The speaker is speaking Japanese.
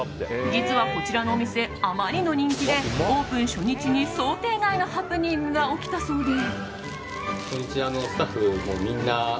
実は、こちらのお店あまりの人気でオープン初日に想定外のハプニングが起きたそうで。